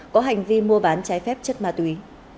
có hành vi mua bán trái phép chất ma túy